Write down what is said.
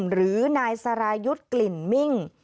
หรือนายสรายุทธ์กลิ่นมิ่ง